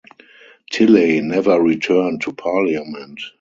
Tilley never returned to Parliament.